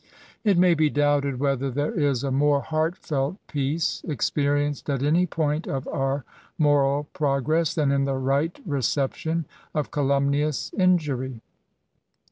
It may be doubted whether there is a more heartfelt peace experienced at any point of our moral progress than in the right reception of calumnious injury.